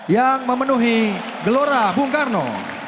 yang memenuhi gelora bung karno